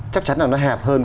chắc chắn là nó hẹp hơn